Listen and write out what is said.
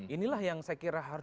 inilah yang saya kira harus